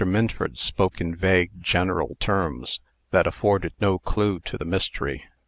Minford spoke in vague, general terms, that afforded no clue to the mystery.